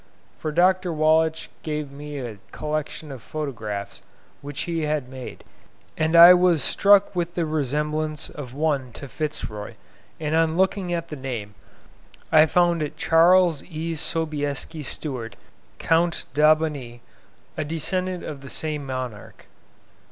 for Dr. Wallich gave me a collection of photographs which he had made, and I was struck with the resemblance of one to Fitz Roy; and on looking at the name, I found it Ch. E. Sobieski Stuart, Count d'Albanie, a descendant of the same monarch.